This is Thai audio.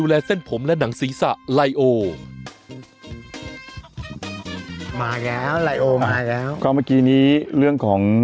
มาแล้วไลโอมาแล้วก็เมื่อกี้นี้เรื่องของ